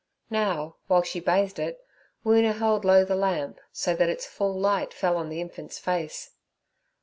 Now, while she bathed it, Woona held low the lamp, so that its full light fell on the infant's face.